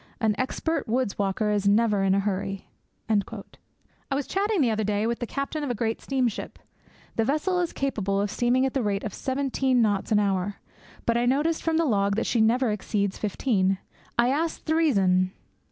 An expert woods walker is never in a hurry.' I was chatting the other day with the captain of a great steamship. The vessel is capable of steaming at the rate of seventeen knots an hour; but I noticed from the log that she never exceeds fifteen. I asked the reason.